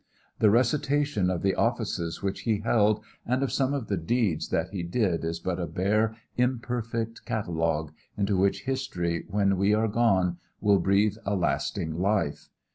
The recitation of the offices which he held and of some of the deeds that he did is but a bare, imperfect catalogue into which history when we are gone will breathe a lasting life.